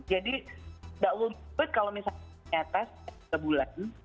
jadi that would be good kalau misalnya test satu bulan